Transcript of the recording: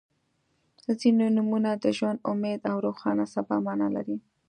• ځینې نومونه د ژوند، امید او روښانه سبا معنا لري.